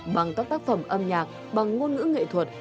bằng các tác phẩm âm nhạc bằng ngôn ngữ nghệ thuật